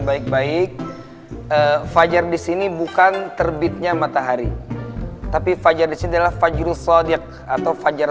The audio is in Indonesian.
baik baik fajar disini bukan terbitnya matahari tapi fajar disini adalah fajr shodek atau fajar